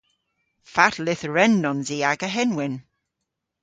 Fatel lytherennons i aga henwyn?